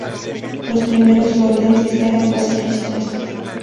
Los primeros valdenses eran pacifistas.